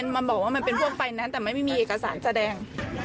มันเป็นพวกไปนั้นแต่ไม่มีเอกสารแสดง